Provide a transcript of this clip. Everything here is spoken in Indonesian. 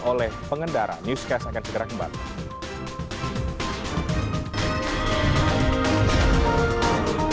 oleh pengendara newscast akan segera kembali